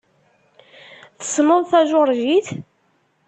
Tessneḍ tajuṛjit?